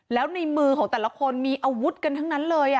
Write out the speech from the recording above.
แล้วในมือของแต่ละคนมีอาวุธกันทั้งนั้นเลย